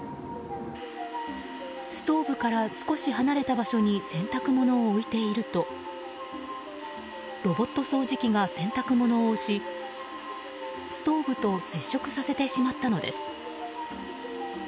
ストーブから少し離れた場所に洗濯物を置いているとロボット掃除機が洗濯物を押しストーブと接触させてしまったのです。